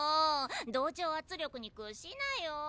同調圧力に屈しなよ。